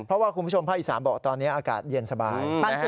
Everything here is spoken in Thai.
เพราะว่าคุณผู้ชมภาคอีสานบอกตอนนี้อากาศเย็นสบาย